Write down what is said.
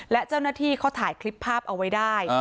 และเจ้าหน้าที่เขาถ่ายคลิปภาพเอาไว้ได้